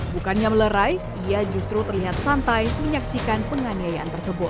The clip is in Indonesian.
bukannya melerai ia justru terlihat santai menyaksikan penganiayaan tersebut